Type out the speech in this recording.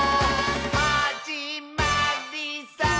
「はじまりさー」